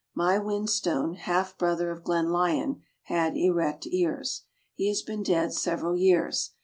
My Whin stone, half brother to Glenlyon, had erect ears. He has been dead several years.